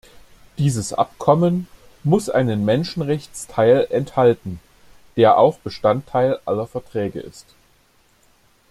Dieses Abkommen muss einen Menschenrechtsteil enthalten, der auch Bestandteil aller Verträge ist.